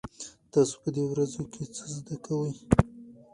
تاسو په دې ورځو کې څه زده کوئ؟